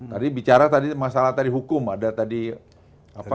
tadi bicara tadi masalah tadi hukum ada tadi apa